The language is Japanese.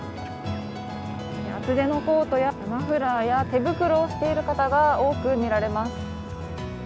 厚手のコートやマフラーや手袋をしている方が多く見られます。